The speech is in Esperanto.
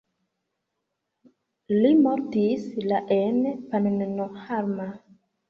Li mortis la en Pannonhalma.